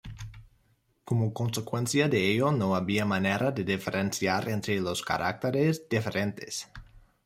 Como consecuencia de ello no había manera de diferenciar entre los caracteres diferentes.